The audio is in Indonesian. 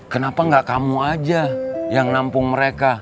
kenapa gak kamu aja yang nampung mereka